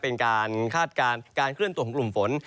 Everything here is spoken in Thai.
เป็นการคาดการณ์การเคลื่อนตัวของกลุ่มฝน